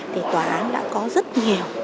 thì tòa án đã có rất nhiều